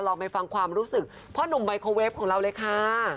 ไปฟังความรู้สึกพ่อหนุ่มไมโครเวฟของเราเลยค่ะ